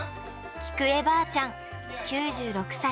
菊恵ばあちゃん９６歳。